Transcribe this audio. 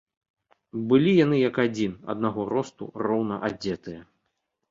Былі яны як адзін, аднаго росту, роўна адзетыя.